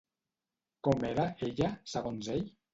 Com era, ella, segons ell?